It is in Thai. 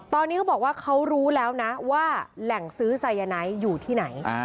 ตอนนี้เขาบอกว่าเขารู้แล้วนะว่าแหล่งซื้อไซยาไนท์อยู่ที่ไหน